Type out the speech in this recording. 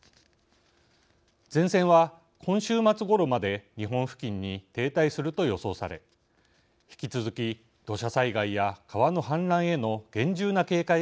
前線は今週末ごろまで日本付近に停滞すると予想され引き続き土砂災害や川の氾濫への厳重な警戒が必要です。